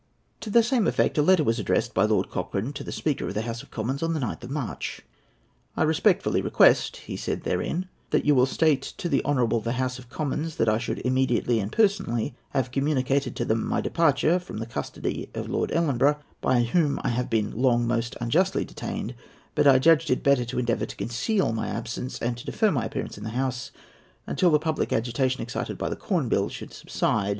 To the same effect was a letter addressed by Lord Cochrane to the Speaker of the House of Commons on the 9th of March. "I respectfully request," he said therein, "that you will state to the honourable the House of Commons, that I should immediately and personally have communicated to them my departure from the custody of Lord Ellenborough, by whom I have been long most unjustly detained; but I judged it better to endeavour to conceal my absence, and to defer my appearance in the House until the public agitation excited by the Corn Bill should subside.